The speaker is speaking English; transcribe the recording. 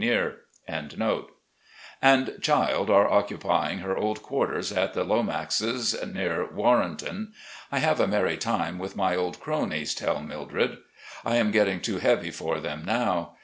I understand that Marlde Peter* and child are occu pying her old quarters at the Lomaxes near Warrenton. I have a merry time with my old cronies, tell Mildred. I am getting too heavy for them now.